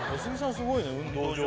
すごいね「運動場」